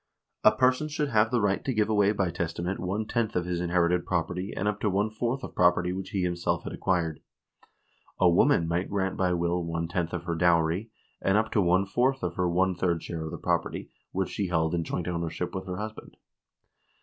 A person should have the right to give away by testament one tenth of his inherited property and up to one fourth of property which he himself had acquired. A woman might grant by will one tenth of her dowry, and up to one fourth of her one third share of the property which she held in joint ownership with her husband.